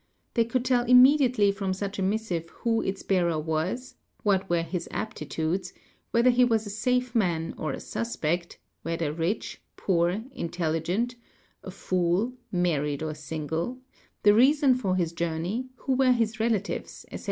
They could tell immediately from such a missive who its bearer was, what were his aptitudes, whether he was a safe man or a suspect, whether rich, poor, intelligent, a fool, married or single, the reason for his journey, who were his relatives, etc.